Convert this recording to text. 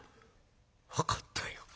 「分かったよ。